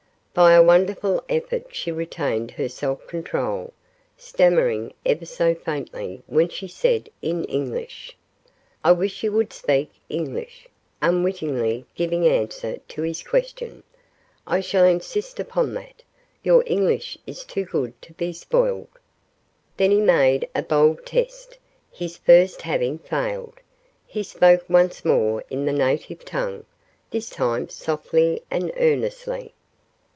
By a wonderful effort she retained her self control, stammering ever so faintly when she said in English: "I wish you would speak English," unwittingly giving answer to his question. "I shall insist upon that. Your English is too good to be spoiled." Then he made a bold test, his first having failed. He spoke once more in the native tongue, this time softly and earnestly.